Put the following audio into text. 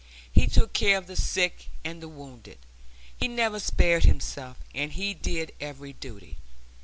He took care of the sick and the wounded, he never spared himself, and he did every duty.